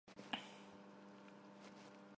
Հայերի հետ հեռացան նաև ասորիներն ու եզդիները։